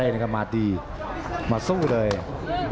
อัศวินาศาสตร์อัศวินาศาสตร์